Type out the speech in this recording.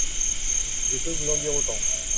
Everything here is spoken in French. Je peux vous en dire autant.